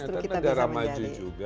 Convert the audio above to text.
ternyata negara maju juga